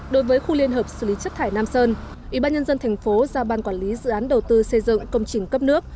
đối với khu liên hợp xử lý chất thải nam sơn ủy ban nhân dân thành phố giao ban quản lý dự án đầu tư xây dựng công trình cấp nước